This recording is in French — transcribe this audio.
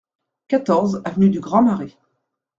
quatorze avenue du Grand Marais